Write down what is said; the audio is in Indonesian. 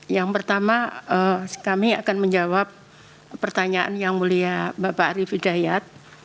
yang pertama kami akan menjawab pertanyaan yang mulia bapak arief hidayat